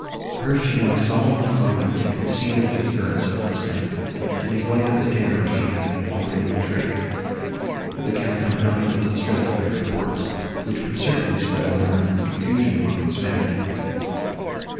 Her she now solemnly conjured to conceal the occurrence of this night, and to make light of the terror she had already betrayed, that the Count might not be distressed by reports, which would certainly spread alarm and confusion among his family.